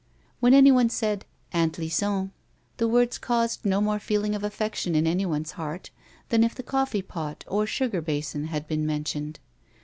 When anyone said " Aunt Lison " the words caused no more feeling of affection in anyone's heart than if the coffee pot or sugar basin had been mentioned.